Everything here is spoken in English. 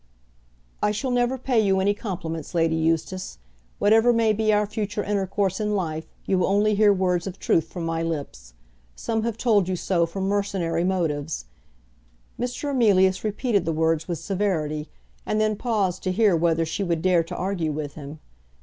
"I shall never pay you any compliments, Lady Eustace. Whatever may be our future intercourse in life, you will only hear words of truth from my lips. Some have told you so from mercenary motives." Mr. Emilius repeated the words with severity, and then paused to hear whether she would dare to argue with him.